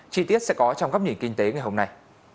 chi tiết sẽ có trong góc nhìn kinh tế ngày hôm nay